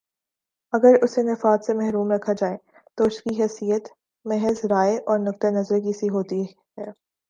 اگر اسے نفاذ سے محروم رکھا جائے تو اس کی حیثیت محض رائے اور نقطۂ نظر کی سی ہوتی ہے